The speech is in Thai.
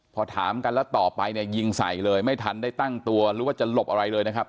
พอถามกันแล้วต่อไปเนี่ยยิงใส่เลยไม่ทันได้ตั้งตัวหรือว่าจะหลบอะไรเลยนะครับ